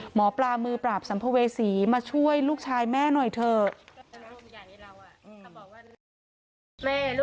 หมอปลามือปราบสัมภเวษีมาช่วยลูกชายแม่หน่อยเถอะ